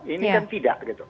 ini kan tidak gitu